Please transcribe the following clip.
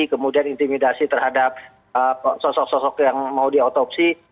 kemudian intimidasi terhadap sosok sosok yang mau diotopsi